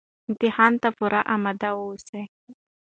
امتحان ته پوره اماده اوسه